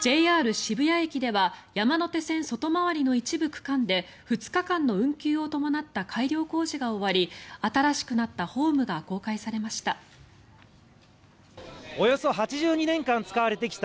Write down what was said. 渋谷駅では山手線外回りの一部区間で２日間の運休を伴った改良工事が終わり新しくなったホームが公開されました。